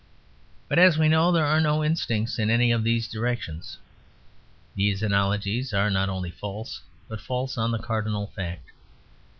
But as we know there are no instincts in any of these directions, these analogies are not only false but false on the cardinal fact.